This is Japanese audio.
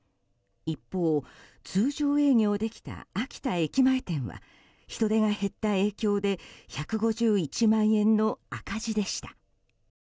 一方、通常営業できた秋田駅前店は人出が減った影響で１５１万円の赤字でした。